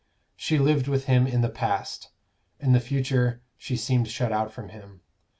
She lived with him in the past; in the future she seemed shut out from him.